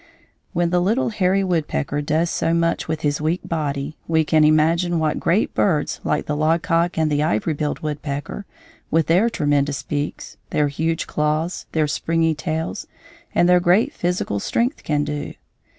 When the little hairy woodpecker does so much with his weak body, we can imagine what great birds like the logcock and the ivory billed woodpecker, with their tremendous beaks, their huge claws, their springy tails, and their great physical strength can do.